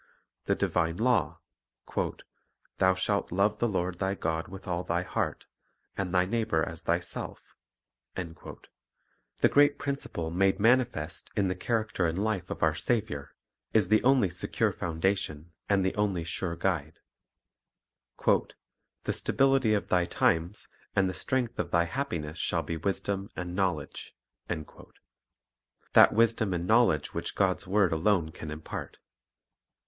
The divine law, "Thou shalt love the Lord thy God with all thy heart, ... and thy neighbor as thyself," 1 the great principle made manifest in the 1 Luke 10 : 27. meats Education and Character 229 character and life of our Saviour, is the only secure foundation and the only sure guide. "The stability of thy times and the strength of thy happiness shall be wisdom and knowledge," 1 — that wisdom and knowledge which God's word alone can impart.